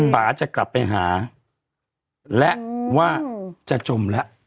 ป่าจะกลับไปหาและว่าจะจมแล้ว